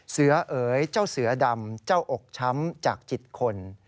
เสือเอ๋ยเจ้าเสือดำเจ้าอกช้ำจากจิตคน